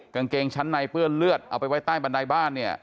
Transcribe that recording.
กางเกงชั้นในเปื้อนเลือดเอาไปไว้ใต้บันไดบ้านเนี่ย